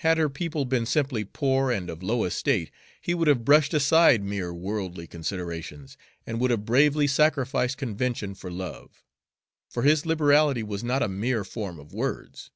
Had her people been simply poor and of low estate, he would have brushed aside mere worldly considerations, and would have bravely sacrificed convention for love; for his liberality was not a mere form of words.